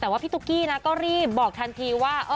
แต่ว่าพี่ตุ๊กกี้นะก็รีบบอกทันทีว่า